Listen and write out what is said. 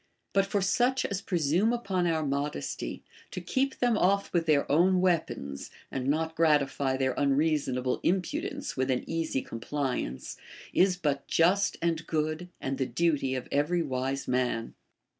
But for such as presume upon our modesty, to keep them off with their own weapons, and not gratify their unreason able impudence with an easy compliance, is but just and good, and the duty of every wise man.